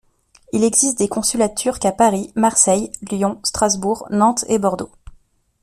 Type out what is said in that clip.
Il existe des consulats turcs à Paris, Marseille, Lyon, Strasbourg, Nantes et Bordeaux.